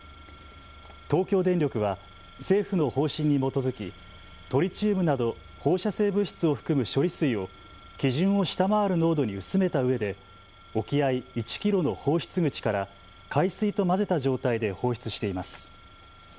東京電力は政府の方針に基づきトリチウムなど放射性物質を含む処理水を基準を下回る濃度に薄めたうえで沖合１キロの放出口から海水と混ぜた状態で放出しています。